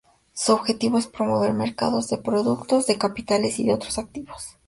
Su objetivo es promover mercados de productos, de capitales y de otros activos.